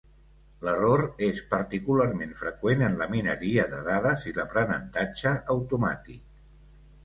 L'error és particularment freqüent en la mineria de dades i l'aprenentatge automàtic.